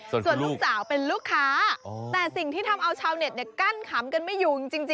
ส่วนลูกสาวเป็นลูกค้าแต่สิ่งที่ทำเอาชาวเน็ตกั้นขำกันไม่อยู่จริง